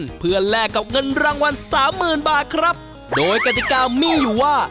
เพื่อแลกกับเงินรางวัลสามหมื่นบาทครับโดยกติกามีอยู่ว่า